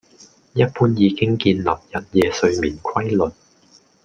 一般已經建立日夜睡眠規律